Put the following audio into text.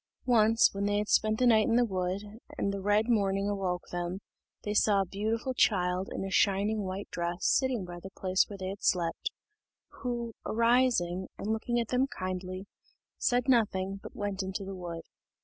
Once, when they had spent the night in the wood, and the red morning awoke them, they saw a beautiful child in a shining white dress, sitting by the place where they had slept, who, arising, and looking at them kindly, said nothing, but went into the wood.